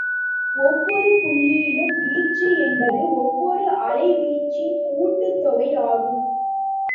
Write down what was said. ஒவ்வொரு புள்ளியிலும் வீச்சு என்பது ஒவ்வொரு அலை வீச்சின் கூட்டுத் தொகை ஆகும்.